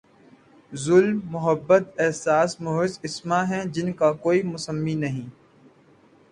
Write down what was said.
ظلم، محبت، احساس، محض اسما ہیں جن کا کوئی مسمی نہیں؟